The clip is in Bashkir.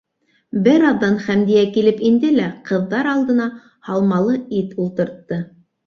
Бер аҙҙан Хәмдиә килеп инде лә ҡыҙҙар алдына һалмалы ит ултыртты.